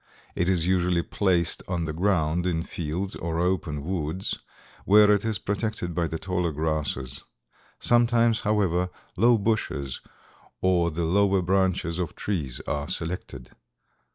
It is usually placed on the ground in fields or open woods, where it is protected by the taller grasses. Sometimes, however, low bushes or the lower branches of trees are selected.